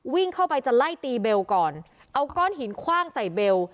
วิ่งเข้าไปจะไล่ตีเบลก่อนเอาก้อนหินคว่างใส่เบล